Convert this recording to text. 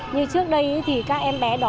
như trước đây thì các em bé đó được